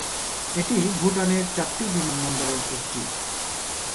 এটি ভুটানের চারটি বিমানবন্দরের একটি।